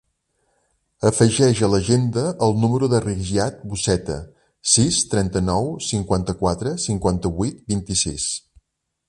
Afegeix a l'agenda el número del Riyad Buceta: sis, trenta-nou, cinquanta-quatre, cinquanta-vuit, vint-i-sis.